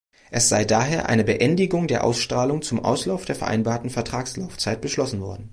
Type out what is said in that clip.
Es sei daher eine Beendigung der Ausstrahlung zum Auslauf der vereinbarten Vertragslaufzeit beschlossen worden.